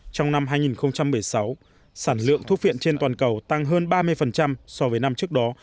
trong năm hai nghìn một mươi sáu sản lượng thuốc phiện trên toàn cầu tăng hơn ba mươi so với năm trước đó